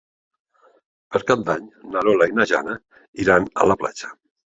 Per Cap d'Any na Lola i na Jana iran a la platja.